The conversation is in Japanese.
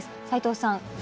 齋藤さん